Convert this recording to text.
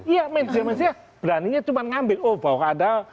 iya media mainstream beraninya cuma mengambil oh bahwa ada mugidi